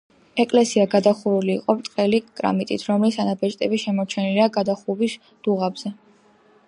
ეკლესია გადახურული იყო ბრტყელი კრამიტით, რომლის ანაბეჭდები შემორჩენილია გადახურვის დუღაბზე.